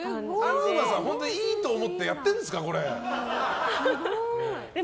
東さん本当にいいと思ってやってるんですか？